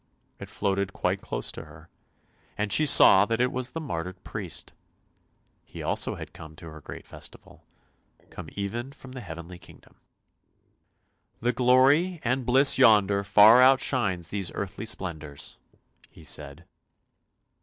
It floated quite close to her, and she saw that it was the martyred priest, he also had come to her great festival — come even from the heavenly kingdom. "The glory and bliss yonder, far outshines these earthly splendours," he said.